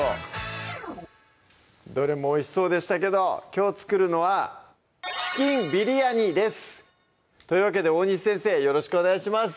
どれもおいしそうでしたけどきょう作るのは「チキンビリヤニ」ですというわけで大西先生よろしくお願いします